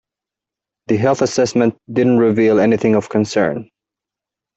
The health assessment didn't reveal anything of concern.